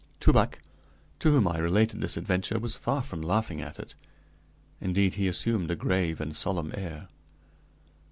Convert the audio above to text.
Toubac, to whom I related this adventure, was far from laughing at it; indeed, he assumed a grave and solemn air.